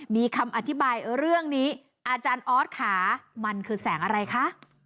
มีคำอธิบายเรื่องนี้อาจารย์ออสค่ะมันคือแสงอะไรคะ